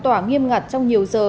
trong tòa nghiêm ngặt trong nhiều giờ